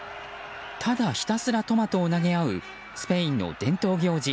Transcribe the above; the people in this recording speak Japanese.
ただひたすらトマトを投げ合うスペインの伝統行事